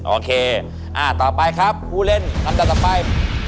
โอเคต่อไปครับผู้เล่นลำดับต่อไป